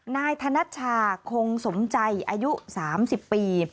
นายธนัชชาคงสมใจอายุ๓๐ปี